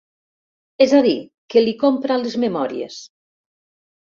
És a dir, que li compra les memòries.